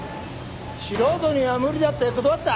素人には無理だって断った。